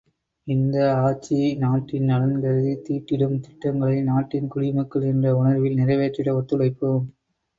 இந்த ஆட்சி நாட்டின் நலன் கருதித்தீட்டிடும் திட்டங்களை நாட்டின் குடிமக்கள் என்ற உணர்வில் நிறைவேற்றிட ஒத்துழைப்போம்!